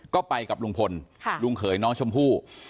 ก็ไปกับลุงพลลุงเขยน้องชมพู่